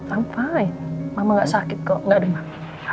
i'm fine mama gak sakit kok gak ada emak